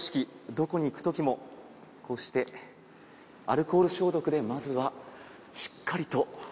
どこに行くときもこうしてアルコール消毒でまずはしっかりと。